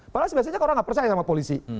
padahal biasanya orang nggak percaya sama polisi